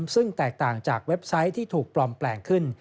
ซึ่งแตกต่างจากเว็บไซต์ที่ถูกปลอมแปลงขึ้น